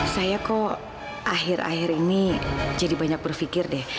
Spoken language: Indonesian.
saya kok akhir akhir ini jadi banyak berpikir deh